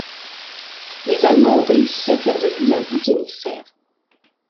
Les Allemands ont réussi à faire de lui un bouc émissaire.